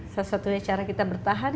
sesuatu cara kita bertahan